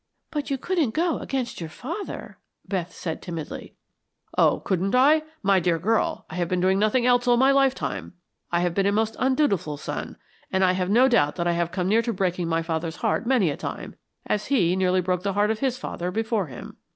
"But you couldn't go against your father," Beth said, timidly. "Oh, couldn't I? My dear girl, I have been doing nothing else all my lifetime. I have been a most undutiful son, and I have no doubt that I have come near to breaking my father's heart many a time, as he nearly broke the heart of his father before him.